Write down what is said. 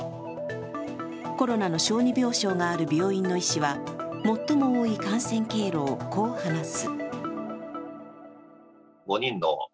コロナの小児病床がある病院の医師は最も多い感染経路をこう話す。